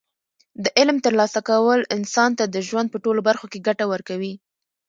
د علم ترلاسه کول انسان ته د ژوند په ټولو برخو کې ګټه ورکوي.